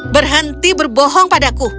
berhenti berbohong padaku